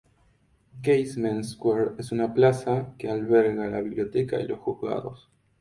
Casement Square es una plaza que alberga la biblioteca y los Juzgados.